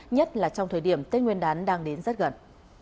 nhất là trong thời điểm tết nguyên đán đang đến rất gần